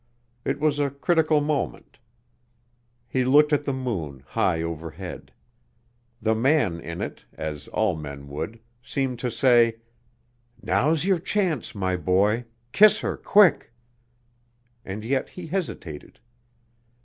It was a critical moment. He looked at the moon, high overhead. The man in it as all men would seemed to say: "Now's your chance, my boy; kiss her quick!" And yet he hesitated.